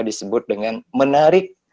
disebut dengan menarik